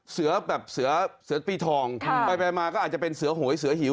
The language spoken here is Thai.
แบบเสือปีทองไปมาก็อาจจะเป็นเสือโหยเสือหิว